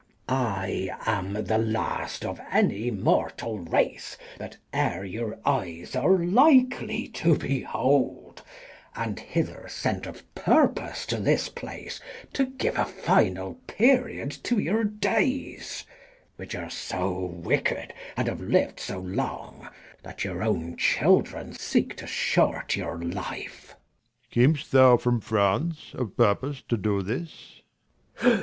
I am the last of any mortal race, That e'er your eyes are likely to behold, And hither sent of purpose to this place, 125 To give a final period to your days, Which are so wicked, and have liv'd so long, That your own children seek to short your life. Leir.